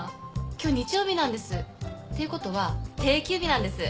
今日日曜日なんです。っていうことは定休日なんです。